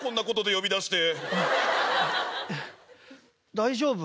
大丈夫？